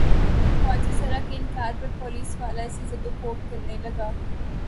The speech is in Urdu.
خواجہ سرا کے انکار پہ پولیس والا اسے زدوکوب کرنے لگا۔